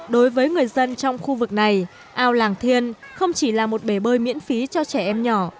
đối với người dân trong khu vực này ao làng thiên không chỉ là một bể bơi miễn phí cho trẻ em nhỏ